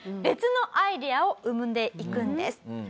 別のアイデアを生んでいくんです。